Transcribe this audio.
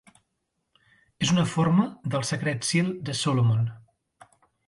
És una forma del "Secret Seal of Solomon".